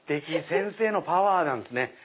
先生のパワーなんですね。